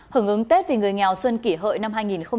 hưởng ứng tết vì người nghèo xuân kỷ hợi năm hai nghìn một mươi chín